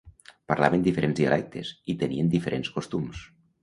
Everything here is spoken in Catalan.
Parlaven diferents dialectes i tenien diferents costums.